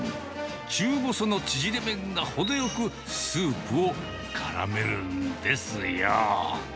中細のちぢれ麺が程よくスープをからめるんですよ。